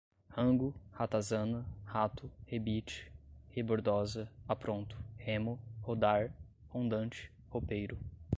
rango, ratazana, rato, rebite, rebordoza, apronto, remo, rodar, rondante, ropeiro